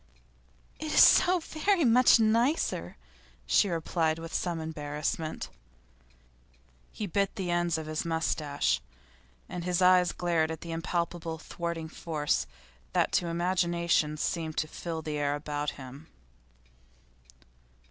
'It is so very much nicer,' she replied with some embarrassment. He bit the ends of his moustache, and his eyes glared at the impalpable thwarting force that to imagination seemed to fill the air about him.